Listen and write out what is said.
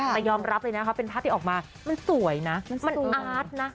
แต่ยอมรับเลยนะคะเป็นภาพที่ออกมามันสวยนะมันอาร์ตนะ